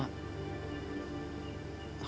aku pasti segalanya buat dia